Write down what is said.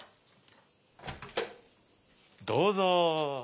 どうぞ！